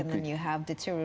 dan kemudian ada keterbalasan